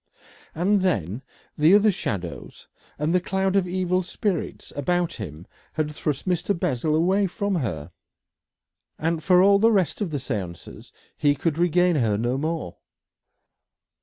And then the other shadows and the cloud of evil spirits about him had thrust Mr. Bessel away from her, and for all the rest of the séance he could regain her no more.